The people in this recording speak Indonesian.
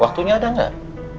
waktunya ada nggak